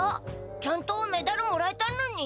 ちゃんとメダルもらえたのに。